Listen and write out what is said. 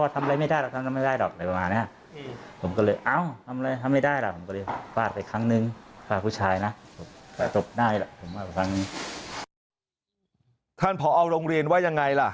ท่านพอเอาโรงเรียนไว้ยังไงละ